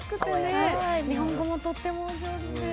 日本語もとってもお上手で。